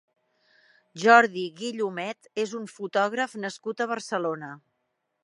Jordi Guillumet és un fotògraf nascut a Barcelona.